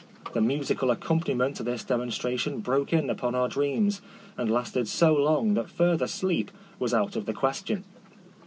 The musical ac companiment to this demonstra tion broke in upon our dreams, and lasted so long that further sleep was out of the question.